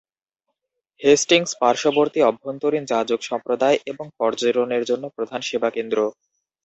Hastings পার্শ্ববর্তী অভ্যন্তরীণ যাজক সম্প্রদায় এবং পর্যটনের জন্য প্রধান সেবা কেন্দ্র।